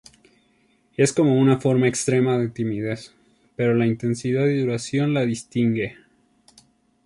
Es como una forma extrema de timidez, pero la intensidad y duración la distingue.